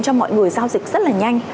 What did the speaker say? cho mọi người giao dịch rất là nhanh